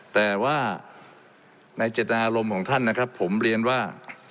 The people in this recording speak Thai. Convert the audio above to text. แต่ว่าในเจตนารมณ์ของท่านนะครับผมเรียนว่า